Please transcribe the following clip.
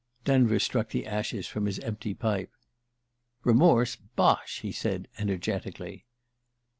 Denver struck the ashes from his empty pipe. "Remorse? Bosh!" he said energetically.